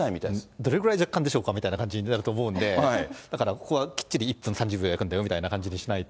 どれぐらい若干でしょうかみたいになると思うので、だからここはきっちり１分３０秒焼くんだよみたいにしないと。